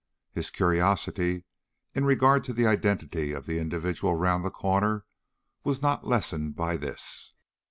His curiosity in regard to the identity of the individual round the corner was not lessened by this.